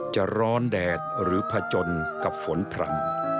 จะร้อนแดดหรือผจญกับฝนพร่ำ